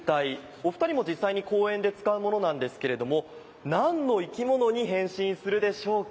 お二人も実際に公演で使うものなんですけどなんの生き物に変身するでしょうか。